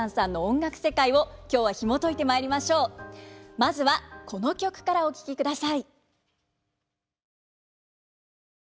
まずはこの曲からお聴きください。